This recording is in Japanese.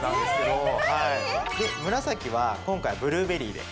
紫は今回ブルーベリーで。